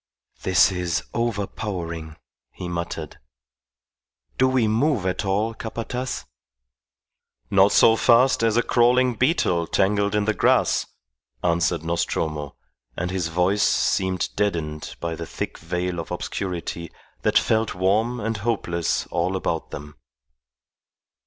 "This is overpowering," he muttered. "Do we move at all, Capataz?" "Not so fast as a crawling beetle tangled in the grass," answered Nostromo, and his voice seemed deadened by the thick veil of obscurity that felt warm and hopeless all about them.